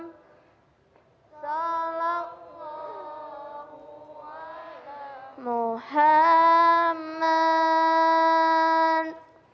salam allah ala muhammad